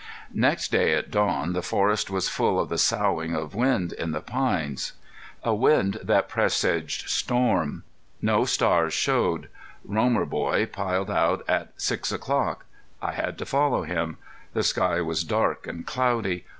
Next day at dawn the forest was full of the soughing of wind in the pines a wind that presaged storm. No stars showed. Romer boy piled out at six o'clock. I had to follow him. The sky was dark and cloudy.